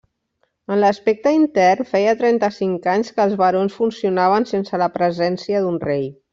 En l'aspecte intern, feia trenta-cinc anys que els barons funcionaven sense la presència d'un rei.